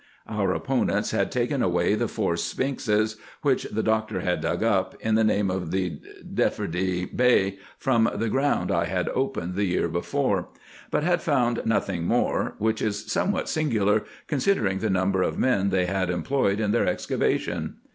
Our opponents had taken away the four sphinxes, which the doctor had dug up, in the name of the Defterdar bey, from the ground I had opened the year before, but had found nothing more, which is somewhat singular, considering the number of men they had employed in their excavation.